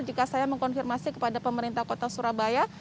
jika saya mengkonfirmasi kepada pemerintah kota surabaya